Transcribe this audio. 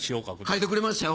書いてくれましたよ